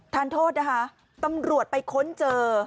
ทานโทษนะคะตำรวจไปค้นเจอ